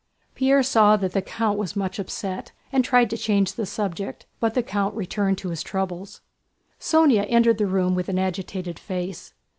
Pierre saw that the count was much upset and tried to change the subject, but the count returned to his troubles. Sónya entered the room with an agitated face.